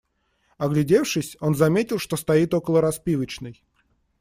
Оглядевшись, он заметил, что стоит около распивочной.